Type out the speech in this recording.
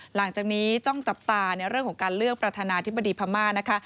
หลังจากนี้ต้องจับตาในเรื่องของการเลือกประธานาธิบดีพม่านะคะ